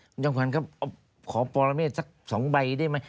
คุณจังหวันเขาขอปรเมฆสัก๒ใบได้ไหม